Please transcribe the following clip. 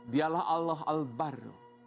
dialah allah al baru